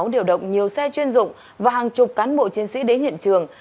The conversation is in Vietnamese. điều động nhiều xe chuyên dụng và hàng chục cán bộ chiến sĩ đến hiện trường